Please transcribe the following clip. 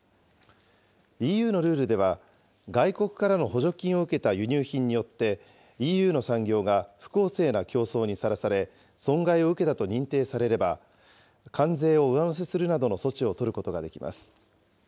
ＥＵのルールでは、外国からの補助金を受けた輸入品によって、ＥＵの産業が不公正な競争にさらされ、損害を受けたと認定されれば、関税を上乗せするなどの措置を取ることができます。